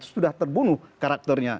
sudah terbunuh karakternya